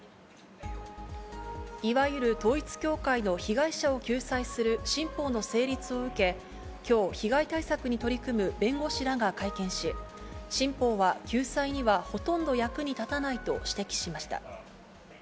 いわゆる統一教会の被害者を救済する新法の成立を受け、きょう、被害対策に取り組む弁護士らが会見し、新法は救済にはほとんど役に立たないと指摘しました。